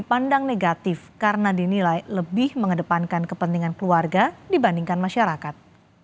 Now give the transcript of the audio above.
dipandang negatif karena dinilai lebih mengedepankan kepentingan keluarga dibandingkan masyarakat